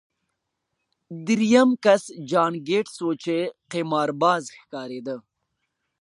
درېیم کس جان ګیټس و چې قمارباز ښکارېده